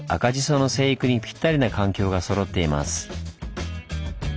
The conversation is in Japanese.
その生育にぴったりな環境がそろっています。